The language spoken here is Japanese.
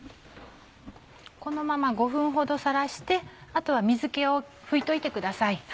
このまま５分ほどさらしてあとは水気を拭いておいてください。